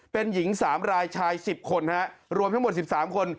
เป็นหญิงสามรายชายสิบคนรวมทั้งหมดสิบสามคน